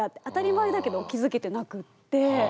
当たり前だけど気付けてなくって。